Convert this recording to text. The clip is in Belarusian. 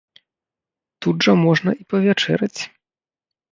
Тут жа можна і павячэраць.